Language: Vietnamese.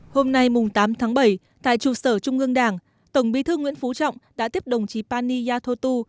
hôm nay tám tháng bảy tại trụ sở trung ương đảng tổng bí thư nguyễn phú trọng đã tiếp đồng chí pani yathotu